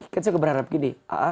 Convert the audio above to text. kan saya berharap gini